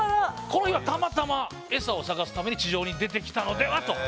この日はたまたまエサを探すために地上に出てきたのではと。